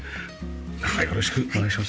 よろしくお願いします。